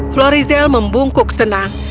florizel membungkuk senang